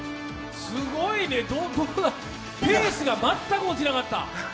すごいね、ペースが全く落ちなかった。